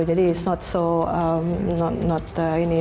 jadi itu bukan begitu